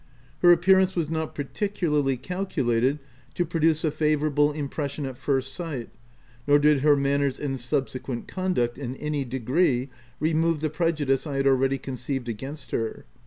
Her appearance was not particularly calculated to produce a favourable impression at first sight, nor did her manners and subsequent conduct, in any degree, remove the prejudice I had al ready conceived against her.